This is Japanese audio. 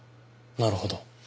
なるほど。